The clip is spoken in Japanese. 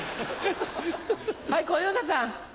はい小遊三さん。